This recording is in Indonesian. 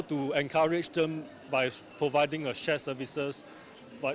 bagaimana cara memperkenalkan mereka dengan memberikan perkhidmatan berbagi